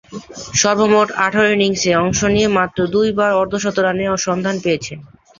সর্বমোট আঠারো ইনিংসে অংশ নিয়ে মাত্র দুইবার অর্ধ-শতরানের সন্ধান পেয়েছেন।